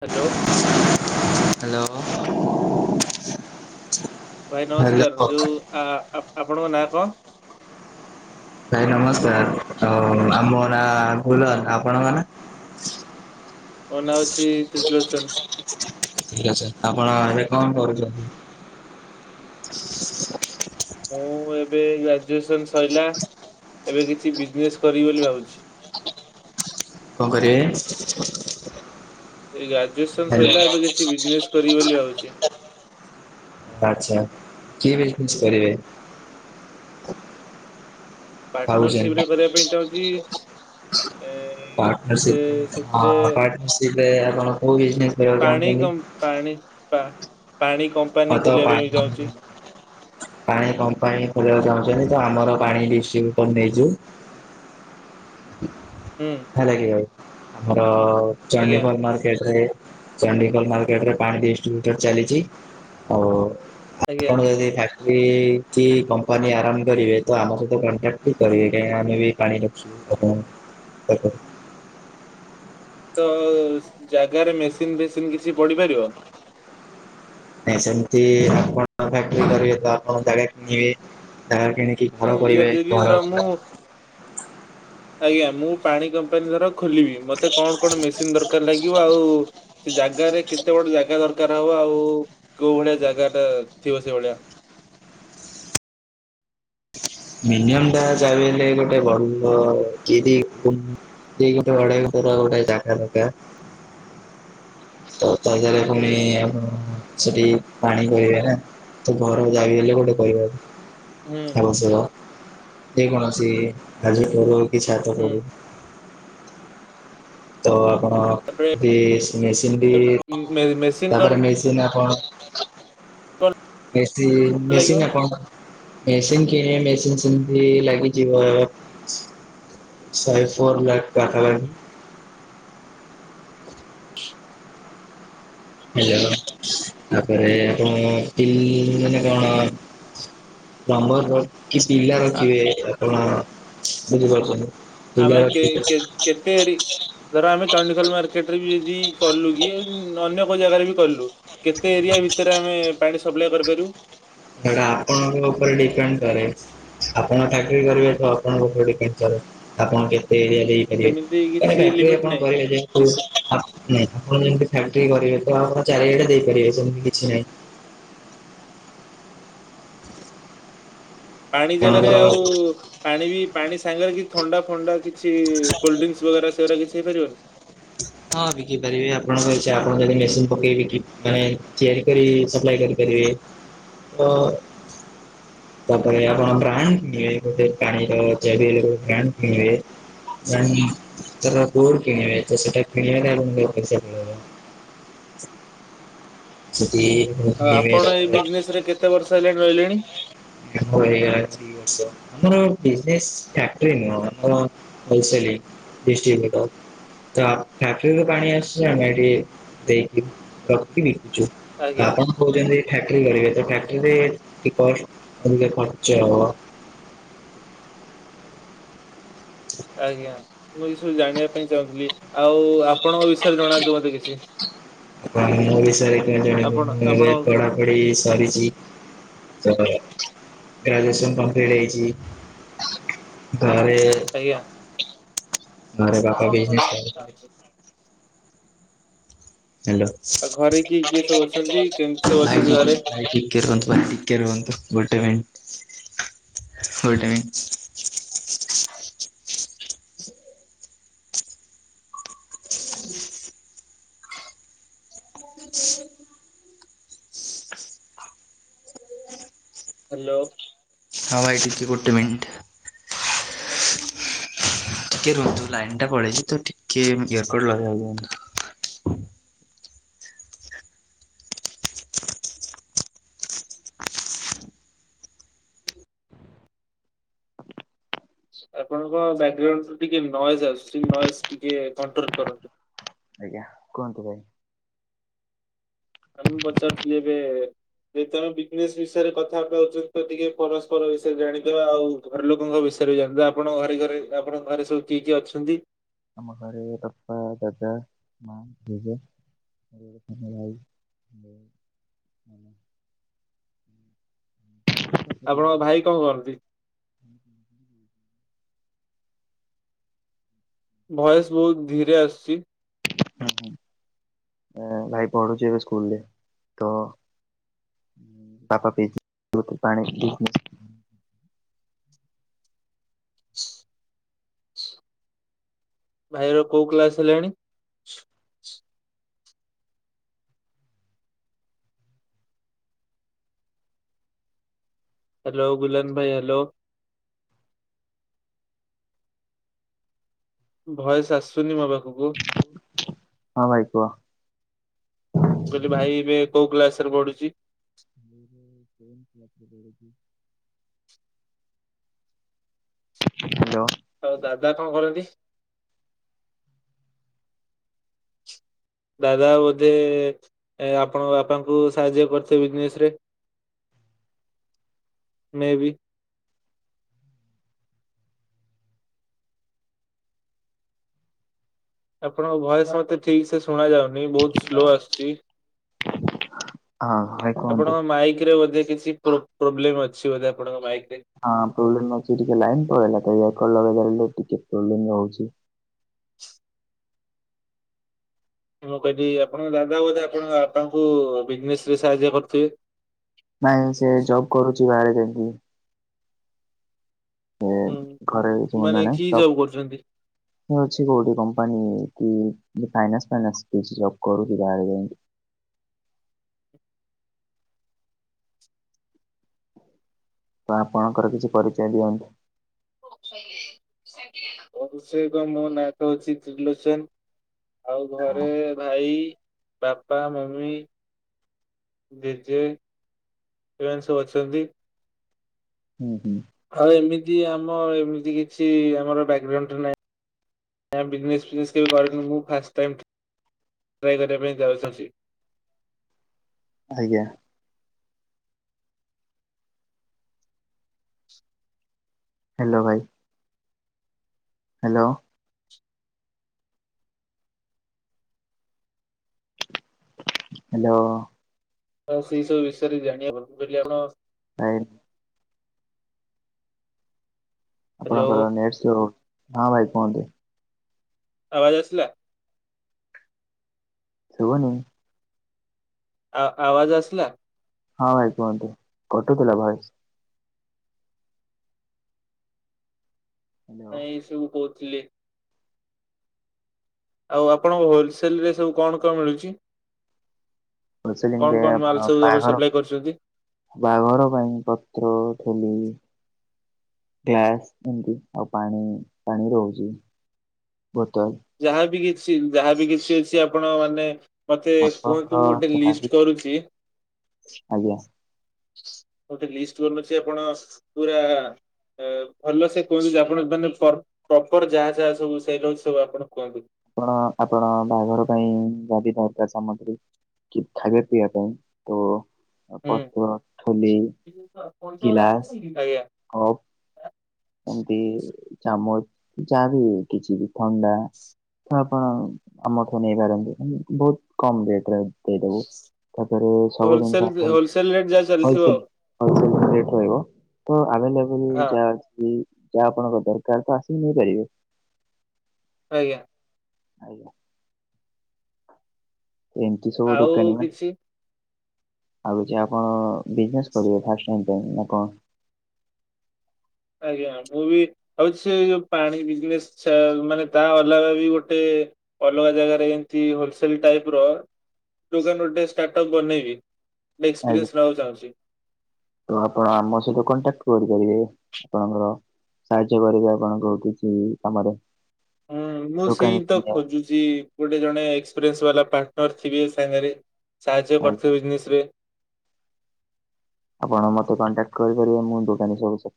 Hello hello ଭାଇ ନମସ୍କାର hello ଯୋଉ ଆ ଆପଣଙ୍କ ନାଁ କଣ? ଭାଇ ନମସ୍କାର ଆମ ନାଁ ବୁଲା ଆପଣଙ୍କ ନା? ମୋ ନାଁ ହଉଛି ତ୍ରିଲୋଚନ। [unintelligible] ଠିକ ଅଛି ଆପଣ ଏବେ କଣ କରୁଛନ୍ତି? ମୁଁ ଏବେ ଗ୍ରାଜୁଏସନ ସରିଲା ଏବେ କିଛି ବିଜନେସ୍ କରିବି ବୋଲି ଭାବୁଛି କଣ କରିବେ? ଏ ଗ୍ରାଜୁଏସନ ହ୍ୟାଲୋ ସରିଲା ଏବେ କିଛି ବିଜନେସ କରିବି ବୋଲି ଭାବୁଛି ଆଛା କି ବିଜନେସ କରିବେ‌? ପାର୍ଟନରସିପରେ କରିବା ପାଇଁ ଚାହୁଁଛି। ଏ ସେ ପାଟନରସିପ ସେଥିରେ ହଁ ପାଟନରସିପ ଆପଣ କଉ ବିଜି [unintelligible] କରିବାକୁ ଚାହୁଛନ୍ତି। ହଁ ହଁ ତ ପାଣି ପମ୍ପ ପାଣି ପମ୍ପ ପାଇଁ [unintelligible] ଯେ ହେତୁ ଆମର ପାଣି ଡିଷ୍ଟ୍ରିବୁଟର ନେଇଛୁ। ହୁଁ ହେଲା କି ଭାଇ ଆମର ଆଜ୍ଞା ଚଣ୍ଡିଖୋଲ ମାର୍କେଟରେ। ଚଣ୍ଡିଖୋଲ ମାର୍କେଟରେ ପାଣି ଡିଷ୍ଟ୍ରିବ୍ୟଟର ଚାଲିଛି ଆଉ ଆଜ୍ଞା। ଆପଣ ଯଦି [unintelligible] କି କି କମ୍ପାନୀ ଆରମ୍ଭ କରିବେ ତ ଆମ ସହିତ କଣ୍ଟାକ୍ଟ କରିବେ କାହିଁକି ଆମେ ବି ପାଣି ରଖିଛୁ। [unintelligible] ତ ଜାଗାରେ ମେସିନ ଫେସିନ କିଛି ପଡିପାରିବ? ନାଇଁ ସେମିତି ଆପଣ ବି ଫ୍ୟାକ୍ଟ୍ରି କରିବେ ତ [unintelligible] ଜାଗା କିଣିକି ଘର ହୁଁ କରିବେ ଯଦି ଧର ଘର। ମୁଁ ଆଜ୍ଞା ମୁଁ ପାଣି କମ୍ପାନୀ ଧର - ଖୋଲିବି ମୋତେ କଣ କଣ ମେସିନ ଦରକାର ଲାଗିବ ଆଉ ସେ ଜାଗାରେ କେତେ ବଡ ଜାଗା ଦରକା- କାର ହବ ଆଉ କୋଉ ଭଳିଆ ଜାଗା ଟା ଥିବ ସେ ଭଳିଆ। [unintelligible] [unintelligible] ଗୋଟେ ଜାଗା ଦରକାର ହୁଁ [unintelligible] ସେଠି ପାଣି [unintelligible] ହୁଁ [unintelligible] ଯେ କୌଣସି ହୁଁ [unintelligible] ତ ଆପଣ ତାପରେ ବି ସେମିତି ମେ [unintelligible] ମେସିନ କଣ ତାପରେ ମେସିନ୍ ଆପଣ। କଣ ବେଶି [unintelligible] ଲାଗିବ ମେସିିନ କିଣି ମେସିନ ସେମିତି ଲାଗି ଯିବ। [unintelligible] ହେଲୋ [unintelligible] ଆାମର କିଛି ପିଲା ଆ ରଖିବେ ଆପଣ ବୁଝିପାରୁଛନ୍ତି। ପିଲା ଆମେ କେ ରଖିବେ କେ କେତେ [unintelligible] ଧର ଆମେ। ଚଣ୍ଡିଖୋଲ ମାର୍କେଟରେ ବି ଯଦି କଲୁ କି ଅନ୍ୟ କୋଉ ଜାଗାରେ ବି କଲୁ କେତେ ଏରିଆ ଭିତରେ ଆମେ। ମେ ପାଣି ସପ୍ଲାଏ କରିପାରିବୁ? ସେଟା ଆପଣଙ୍କ ଉପରେ ଡିପେଣ୍ଡ କରେ ଆପଣ ଚାକିରି କରିବେ ତ। ତା ଉପରେ ଡିପେଣ୍ଡ କରେ ଆପଣ କେତେ? [unintelligible] ଆପଣ ଚାରିଆଡେ ସେମିତି କିଛି ଲିମିଟ ନାହିଁ। ଦେଇପାରିବେ ସେମିତି କିଛି ନାହିଁ। ପାଣି ଜାଗାରେ ଆପଣଙ୍କର ଆଉ ପାଣି ବି। ପାଣି ସାଙ୍ଗରେ କିଛି ଥଣ୍ଡା ଫଣ୍ଡା କିଛି କୋଲ୍ଡ ଡ୍ରିଙ୍କସ ବଗେରା ସେଗୁଡ଼ା କିଛି ହେଇପାରିବନି। ହଁ ବିକି ପାରିବି ଆପଣଙ୍କ ସେ ଆପଣ ମାନେ ମେସିନ୍ ପକେଇ ବିକି ମାନେ ତିଆରି କରି ସପ୍ଲାଏ କରିପାରିବେ। ହଁ। ତାପରେ ଆପଣ ବ୍ରାଣ୍ଡ। [unintelligible] ପାଣି [unintelligible] କିଣିବେ ସେଟା [unintelligible] ସେଠି ଆ କିଣିବେ ଆପଣ ଏଇ ତାପରେ ବିଜନେସ ରେ କେତେ ବର୍ଷ ହେଲାଣି ରହିଲେଣି। ଦି'ବର୍ଷ [unintelligible] ଆମର ଫ୍ୟାକିଟ୍ରି ଆମ ହୋଲ ସେଲିଙ୍ଗ। ଡିଷ୍ଟ୍ରିବୁଟର। ତ ଫ୍ୟାକିଟ୍ରି କୁ ପାଣି ଆସୁଚି ନା ନାଇଁ ଦେଇକିରି। [unintelligible] ଯୋଉଁ ଆଜ୍ଞା ଆପଣ କହୁଛନ୍ତି ଫ୍ୟାକିଟ୍ରି କରିବେ ତ ଫ୍ୟାକିଟ୍ରି ରେ ଇଏ ପାଞ୍ଚ ଆଜ୍ଞା ମୁଁ ଏ ସବୁ ଜାଣିବା ପାଇଁ ଚାହୁଁଥିଲି ଆଉ ଆପଣଙ୍କ ବିଷୟରେ ଜଣାନ୍ତୁ ମତେ କିଛି ମୁଁ ବିଷୟରେ ଆପଣ ଆପଣ [unintelligible] ପଢାପଢି ସରିଚି। ତାପରେ। ଗ୍ରାଜୁଏସନ୍ କମ୍ପ୍ଲିଟ ହେଇଚି। ଆଜ୍ଞା। ଆଉ [unintelligible] ହାଲୋ ଘରେ କିଏ କିଏ ସବୁ ଅଛନ୍ତି କେମିତି ସବୁ ଅଛନ୍ତି ଘରେ? [unintelligible] ଭାଇ ଟିକେ ରୁହନ୍ତୁ ଟିକେ ରୁହନ୍ତୁ। ଗୋଟେ ମିନିଟ [unintelligible] [inaudible] ହ୍ୟାଲୋ। ହଁ ଭାଇ ଟିକେ ଗୋଟେ ମିନିଟ ଟିକେ ରୁହନ୍ତୁ ଲାଇନ ଟା ପଳେଇଛି ତ ଟିକେ ଇଅରଫୋନ ଲଗେଇବାକୁ ଦିଅନ୍ତୁ। [inaudible] ଆପଣଙ୍କ ବ୍ୟାକଗ୍ରାଉଣ୍ଡ ଟିକେ ନଏଜ ଆସୁଛି ନଏଜ ଟିକେ କଣ୍ଟ୍ରୋଲ କରନ୍ତୁ। ଆଜ୍ଞା କୁହନ୍ତୁ ଭାଇ? [unintelligible] ଯେହେତୁ ଆମେ ବିଜନେସ ବିଷୟରେ କଥାବାର୍ତ୍ତା ହେଉଚେ ତ ଟିକେ ପରସ୍ପର ବିଷୟରେ ଜାଣି ଦବା ଆଉ ଘର ଲୋକଙ୍କ ବିଷ [unintelligible] ଆପଣଙ୍କ ଘରେ ଘରେ ଆପଣଙ୍କ ଘରେ ସବୁ କିଏ କିଏ ଅଛନ୍ତି? ଆମ ଘରେ ବାପା ଦାଦା ମା ଜେଜେ। [unintelligible] ମାନେ ଆପଣଙ୍କ ଭାଇ କଣ କରନ୍ତି? ଭଏସ ବହୁତ ଧୀରେ ଆସୁଚି। ହୁଁ ଭାଇ ପଢୁଛି ଏବେ ସ୍କୁଲରେ ତ ବାପା [unintelligible] ଭାଇର କୋଉଁ କ୍ଲାସ ହେଲାଣି? ହ୍ୟାଲୋ ଗୁଲନ୍ ଭାଇ ହ୍ୟାଲୋ। ଭଏସ୍ ଆସୁନି ମୋ ପାଖକୁ। ହଁ ଭାଇ କୁହ। ମୁଁ କହିଲି ଭାଇ ଏବେ କୋଉଁ କ୍ଲାସରେ ପଢୁଚି? ଭାଇ ଏବେ ଟେନ କ୍ଲାସ ରେ ପଢୁଚି। ଆଉ ଦାଦା କଣ କରନ୍ତି? ଦାଦା ବୋଧେ ଆପଣଙ୍କ ବାପାଙ୍କୁ ସାହାଯ୍ୟ କରିଥିବେ ବିଜନେସ୍ ରେ? [inaudible] ମୁଁ ବି। ଆପଣଙ୍କ ଭଏସ୍ ମତେ ଠିକ୍ ସେ ଶୁଣା ଯାଉନି ବହୁତ ସ୍ଲୋ ଆସୁଛି। ହଁ ଭାଇ କୁହନ୍ତୁ ଆପଣଙ୍କ ମାଇକ୍ ରେ ବୋଧେ କିଛି ପ୍ରୋ ପ୍ରୋବ୍ଲେମ ଅଛି ବୋଧେ ଆପଣଙ୍କ ମାଇକ୍ ହଁ ପ୍ରୋବ୍ଲେମ୍ ଅଛି ଟିକେ ଲାଇନ ପଳେଇଲା ତ। [unintelligible] ଟିକେ ପ୍ରୋବ୍ଲେମ୍ ରହୁଚି। ମୁଁ କହିଲି ଆପଣଙ୍କ ଦାଦା ବୋଧେ ଆପଣଙ୍କ ବାପାଙ୍କୁ ବିଜନେସ ରେ ସାହାଯ୍ୟ କରୁଥିବେ। ନାଇଁ ସେ ଜବ୍ କରୁଛି ବାହାରେ ଯାଇକି। ସେ ହୁଁ ଘରେ କିଛି ମୁଣ୍ଡା ମାନେ ନାଇଁ କି ଜବ୍ କରୁଛନ୍ତି? ଜବ ଅଛି କୋଉଠି କମ୍ପାନୀ। କି ଫାଇନାସ ଫାଇନସ୍ କିଛି ଜବ କରୁଛି ବାହାରେ ଯାଇଁକି। [inaudible] ତ ଆପଣଙ୍କର କିଛି ପରିଚୟ ଦିଅନ୍ତୁ। ମୋ ବିଷୟରେ ମୋ ନାଁ ତ ଅଛି ତ୍ରିଲୋଚନ। ଆଉ ଘରେ ଭାଇ ବାପା ମମି। ଜଜେ ଏମାନେ ସବୁ ଅଛନ୍ତି। ହୁଁ ହୁଁ। ଆଉ ଏମିତି ଆମ ଏମିତି କିଛି ଆମର ବ୍ୟାକଗ୍ରାଉଣ୍ଡରେ ନାହିଁ। ଆମେ ବିଜନେସ୍ ଫିଜନେସ କେବେ କରନୁ ମୁଁ ଫାଷ୍ଟ ଟାଇମ। ଟ୍ରାଇ କରିବା ପାଇଁ ଯାଉଅଛି। ଆଜ୍ଞା। ହାଲୋ ଭାଇ ହାଲୋ। ହାଲୋ। ତ ସେଇ ସବୁ ବିଷୟରେ ଜାଣିବା ଦୁରିୟାନ। ନାଇନ। ହ୍ୟାଲୋ। ଆପଣଙ୍କର ନେଟ ସ୍ଲୋ ହଁ ଭାଇ କୁହନ୍ତୁ। ଆବାଜ ଆସିଲା। ଶୁଭନି। ଆ ଆବାଜ ଆସଲା। ହଁ ଭାଇ କୁହନ୍ତୁ କଟୁଥିଲା ଭଏସ। ହ୍ୟାଲୋ ନାଇଁ ଏସବୁ କହୁଥିଲି। ଆଉ ଆପଣଙ୍କ ହୋଲସେଲ ରେ ସବୁ କଣ କଣ ମିଳୁଛି। ହୋଲସେଲିଙ୍ଗ କଣ ରେ କଣ ମାଲ ଆପଣ ସବୁ ଏବେ ବାହାଘର ସପ୍ଲାଏ କରୁଛନ୍ତି? ବାହାଘର ପାଇଁ ପତ୍ର। ଖୋଲିବି। ଗ୍ଲାସ ଏମତି ଆଉ ପାଣି ପାଣି ରହୁଛି ବୋତଲ। ଯାହାବି କିଛି ଯାହାବି କିଛି ଅଛି ଆପଣ ମାନେ। ମତେ ଆପଣଙ୍କର କୁହନ୍ତୁ ମୁଁ ଗୋଟେ ଯାହା ବି ଲିଷ୍ଟ କରୁଛି। ଆଜ୍ଞା। ଗୋଟେ ଲିଷ୍ଟ ବନଉଛି ଆପଣ ପୁରା। ଏ ଭଲ ସେ କୁହନ୍ତୁ ଆପଣ ମାନେ ପ୍ର ପ୍ରପର ଯାହା ଯାହା ସବୁ ସେଟ ଅଛି ସବୁ ଆପଣ କୁହନ୍ତୁ। ଆପଣ ଆପଣଙ୍କ ବାହାଘର ପାଇଁ ଯଦି ଦରକାର ସାମଗ୍ରୀ। କି ଖାଇବା ପିଇବ ପାଇଁ ତ। ହୁଁ ପତ୍ର ଠୋଲି ଗିଲାସ ଆଜ୍ଞା କପ୍। ଏମିତି ଚାମୁଚ ଯାବି କିଛି ଥଣ୍ଡା। ତ ଆପଣ ଆମଠୁ ନେଇପାରନ୍ତି ଆମ ବହୁତ କମ ରେଟ ରେ ଦେଇଦବୁ। ତାପରେ ସବୁ ହୋଲସେଲ ଜିନିଷ ଆଭେଲ ହୋଲସେଲ ରେଟ ଯାହା ଚାଲିଥିବ ହୋଲସେଲ ହୋଲସେଲ ‌ ରେଟ ରହିବ ତ ଆଭେଲେବଲ ଆଉ ଯା ଅଛି। ଯାହା ଆପଣଙ୍କ ଦରକାର ତ ଆସିକି ନେଇପାରିବେ। ଆଜ୍ଞା। ଆଜ୍ଞା। ଏମତିି ସବୁ ଆଉ ଦୋକନି ମାନେ। କିଛି ଆଉ ଅଛି ଆପଣ ବିଜନେସ୍ କରିବେ ଫାଷ୍ଟାଇ ପାଇଁ ଆପଣ। ଆଜ୍ଞା ମୁଁ ବି ହଉଛି ସେଇ ପାଣି ବିଜନେସ ସେ ତା ଅଲଗା ବି ଗୋଟେ। ଅଲଗା ଜାଗାରେ ଏମତି ହୋଲସେଲ ଟାଇପ ର। ଦୋକାନ ଗୋଟେ ଷ୍ଟାର୍ଟ ଅପ ବନେଇବି ଏକ୍ସପ୍ରିଏନ୍ସ ନବାକୁ ଚାହୁଁଛି। ତ ଆପଣ ଆମ ସହିତ କଣ୍ଟାକ୍ଟ କରିପାରିବେ ଆପଣଙ୍କର। ସାହାଯ୍ୟ କରିବି ଆପଣଙ୍କୁ କିଛି କାମରେ। ହୁଁ ମୁଁ ସେଇ ଦୋକାନୀ ତ ଚିହ୍ନା ଖୋଜୁଛି ଗୋଟେ ଜଣେ ପାର୍ଟର ଥିବେ ସାଙ୍ଗେରେ ସାହାଯ୍ୟ ଆଜ୍ଞା କରୁଥିବେ। ଆପଣ ମତେ କଣ୍ଟାକ୍ଟ କରିପାରିବେ ମୁଁ ଦୋକାନୀ ସବୁ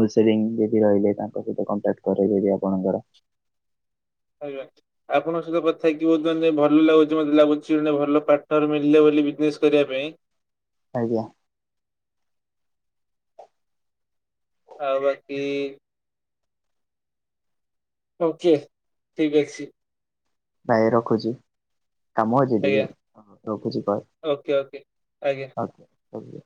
ହୋଲସେଲିଂ ଯଦି ରହିଲେ ତାଙ୍କ ସହିତ କଣ୍ଟାକ୍ଟ କରେଇଦେବି ଆପଣଙ୍କର। ଆଜ୍ଞା ଆପଣଙ୍କ ସହିତ କଥା ହେଇକିି ବହୁତ ଭଲ ଲାଗୁଛି ମତେ ଲାଗୁଛି ଭଲ ପାଠରେ ମିଳିଲେ ବୋଲି। ବିଜିନେସ କରିବା ପାଇଁ। ଆଜ୍ଞା। ଆଉ ବାକି ଓକେ ଠିକ୍ ଅଛି। ଭାଇ ରଖୁଛି। କାମ ଅଛି ଟିକେ ଆଜ୍ଞା ରଖୁଛି କଲ୍। ଓକେ ଓକେ ଆଜ୍ଞା। ଆଜ୍ଞା।